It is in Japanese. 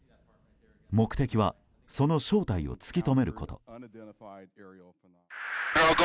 目的はその正体を突き止めること。